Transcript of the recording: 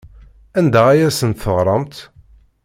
Anda ay asent-teɣramt?